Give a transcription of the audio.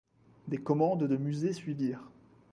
Des commandes de musées suivirent.